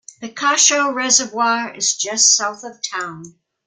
Picacho Reservoir is just south of town.